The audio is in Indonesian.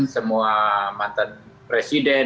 semua mantan presiden